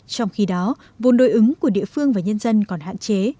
trong khi đó vốn đối ứng của địa phương và nhân dân còn hạn chế